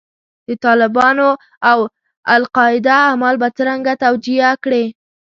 د طالبانو او القاعده اعمال به څرنګه توجیه کړې.